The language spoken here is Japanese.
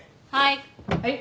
はい。